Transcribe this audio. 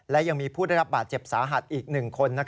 และยังมีผู้ได้รับบาดเจ็บสาหัสอีก๑คน